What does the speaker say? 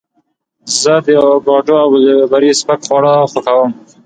زه د اوکاډو او بلوبېري سپک خواړه خوښوم.